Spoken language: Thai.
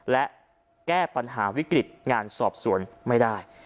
และแก้ปัญหาวิกฤตงานสอบสวนไม่ได้